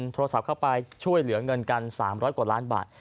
โทรศัพท์เข้าไปช่วยเหลือเงินกัน๓๐๐กว่าล้านบาท